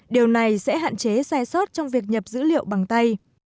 điều này sẽ hạn chế sai sót trong việc nhập dữ liệu bằng tay